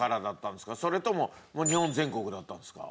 それとも日本全国だったんですか？